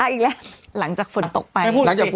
อีกแล้วหลังจากฝนตกไป